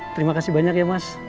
terima kasih banyak ya mas